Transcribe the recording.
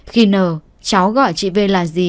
khi nờ cháu gọi chị vê là gì